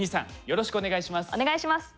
よろしくお願いします。